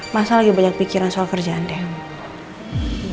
masa lagi banyak pikiran soal kerjaan deh